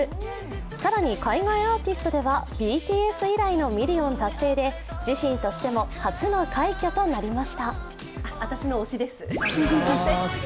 更に海外アーティストではＢＴＳ以来のミリオン達成で自身としても初の快挙となりました。